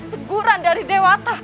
teguran dari dewata